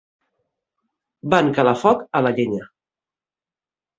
Van calar foc a la llenya.